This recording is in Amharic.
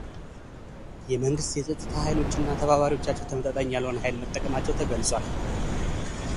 የመንግሥት የፀጥታ ኃይሎች እና ተባባሪዎቻቸው ተመጣጣኝ ያልሆነ ኃይል መጠቀማቸው ተገልጿል።